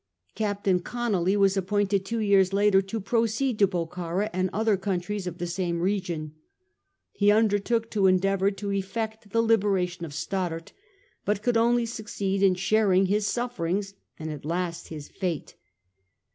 Captain Conolly was appointed two years after to proceed to Bokhara and other countries of the same region. He under took to endeavour to effect the liberation of Stoddart, but could only succeed in sharing his sufferings, and, at last, his fate.